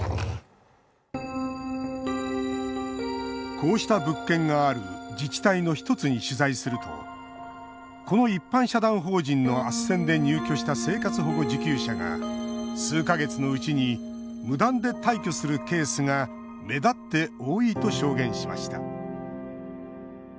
こうした物件がある自治体の１つに取材するとこの一般社団法人のあっせんで入居した生活保護受給者が数か月のうちに無断で退去するケースが目立って多いと証言しました。